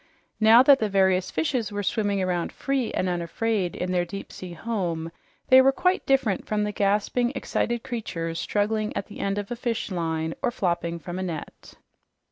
Now that the various fishes were swimming around free and unafraid in their deep sea home, they were quite different from the gasping, excited creatures struggling at the end of a fishline or flopping from a net.